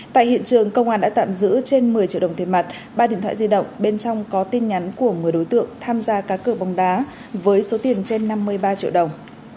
tại hiện trường công an đã tạm giữ trên một mươi triệu đồng tiền mặt ba điện thoại di động bên trong có tin nhắn của một mươi đối tượng tham gia cá cược bóng đá với số tiền trên năm mươi ba triệu đồng